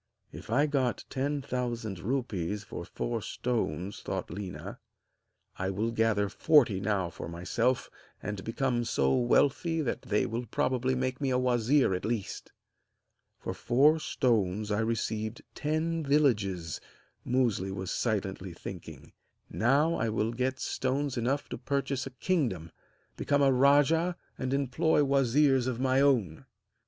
'If I got ten thousand rupees for four stones,' thought Léna, 'I will gather forty now for myself, and become so wealthy that they will probably make me a wazir at least!' 'For four stones I received ten villages,' Musli was silently thinking; 'now I will get stones enough to purchase a kingdom, become a rajah, and employ wazirs of my own!'